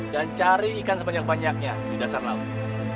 dan cari ikan sebanyak banyaknya di dasar laut